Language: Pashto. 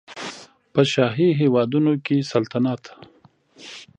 په شاهي هېوادونو کې سلطنت